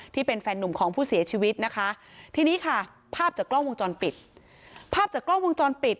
ที่เป็นแฟนหนุ่มของผู้เสียชีวิตนะคะทีนี้ค่ะภาพจากกล้องวงจรปิด